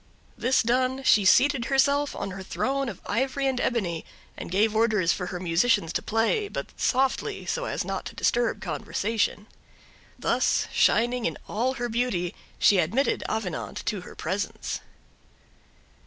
This done she seated herself on her throne of ivory and ebony and gave orders for her musicians to play, but softly, so as not to disturb conversation. Thus, shining in all her beauty, she admitted Avenant to her presence.